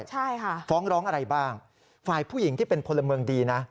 ใช่ค่ะฟ้องร้องอะไรบ้างฝ่ายผู้หญิงที่เป็นพลเมืองดีนะ